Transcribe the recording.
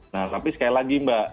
nah tapi sekali lagi mbak